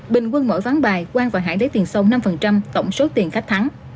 bình quân mở ván bài quang và hãng lấy tiền sâu năm tổng số tiền khách thắng